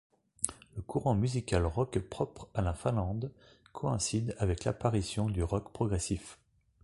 Le courant musical rock propre à la Finlande coïncide avec l'apparition du rock progressif.